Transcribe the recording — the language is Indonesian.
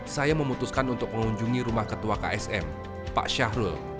saya memutuskan untuk mengunjungi rumah ketua ksm pak syahrul